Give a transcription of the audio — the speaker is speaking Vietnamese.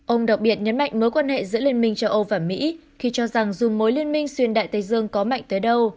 ông đặc biệt nhấn mạnh mối quan hệ giữa liên minh châu âu và mỹ khi cho rằng dù mối liên minh xuyên đại tây dương có mạnh tới đâu